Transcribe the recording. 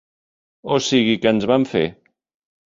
O sigui que ens vam fer.